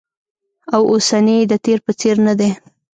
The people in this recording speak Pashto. او اوسنی یې د تېر په څېر ندی